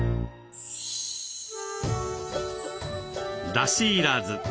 だしいらず。